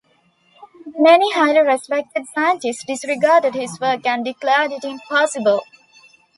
Many highly respected scientists disregarded his work and declared it impossible.